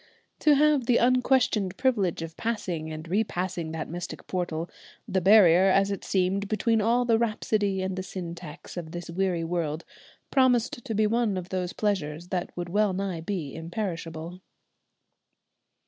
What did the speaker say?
To have the unquestioned privilege of passing and repassing that mystic portal, the barrier as it seemed between all the rhapsody and the syntax of this weary world, promised to be one of those pleasures that would well nigh be imperishable.